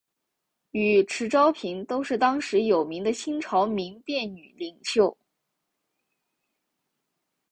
与迟昭平都是当时有名的新朝民变女领袖。